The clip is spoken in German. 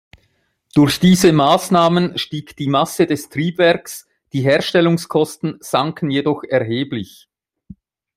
Durch diese Maßnahmen stieg die Masse des Triebwerks, die Herstellungskosten sanken jedoch erheblich.